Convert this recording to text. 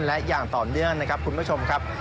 และอย่างต่อเนื่องนะครับคุณผู้ชมครับ